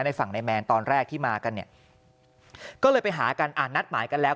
ในฝั่งในแมนตอนแรกที่มากันเนี่ยก็เลยไปหากันอ่านนัดหมายกันแล้ว